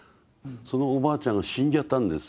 そのおばあちゃんが死んじゃったんです